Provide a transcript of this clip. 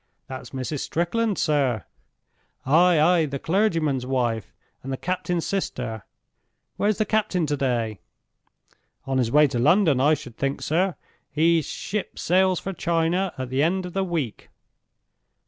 "That's Mrs. Strickland, sir." "Ay! ay! The clergyman's wife and the captain's sister. Where's the captain to day?" "On his way to London, I should think, sir. His ship sails for China at the end of the week."